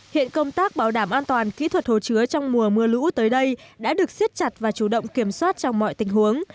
hiện công tác bảo đảm an toàn kỹ thuật hồ chứa trong mùa mưa lũ tới đây đã được siết chặt và chủ động kiểm soát trong mọi tình huống